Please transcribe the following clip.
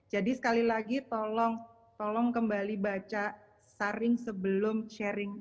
jadi sekali lagi tolong kembali baca saring sebelum sharing